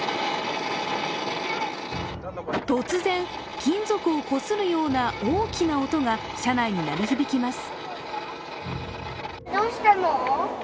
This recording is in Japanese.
突然、金属をこするような大きな音が車内に鳴り響きます。